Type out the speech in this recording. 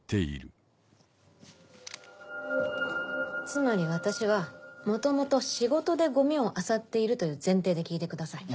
つまり私は元々仕事でゴミをあさっているという前提で聞いてください。